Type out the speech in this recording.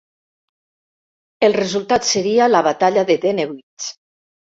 El resultat seria la Batalla de Dennewitz.